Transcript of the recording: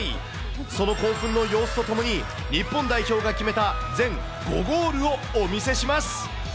その興奮の様子とともに、日本代表が決めた全５ゴールをお見せします。